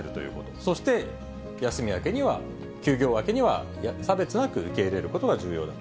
そして、休み明けには、休業明けには、差別なく受け入れることが重要だと。